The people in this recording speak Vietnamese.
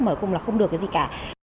mở cùng là không được cái gì cả